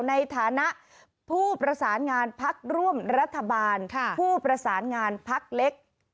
ในฐานะผู้ประสานงานพักร่วมรัฐบาลผู้ประสานงานพักเล็ก